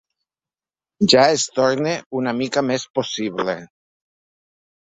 Ja es torna una mica més possible.